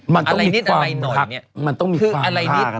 มันต้องมีความภาคมันต้องมีความภาค